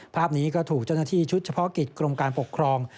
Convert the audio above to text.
ภาพนี้ก็ถูกเจ้าหน้าที่ชุดเฉพาะกิจกรมการปกครอง